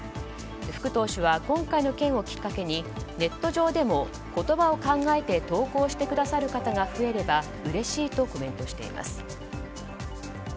福投手は今回の件をきっかけにネット上でも言葉を考えて投稿してくださる方が増えればうれしいとコメントしています。